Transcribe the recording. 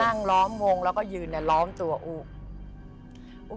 นั่งล้อมวงแล้วก็ยืนด้วยล้อมตัวอุคุณ